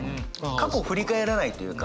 過去を振り返らないというか。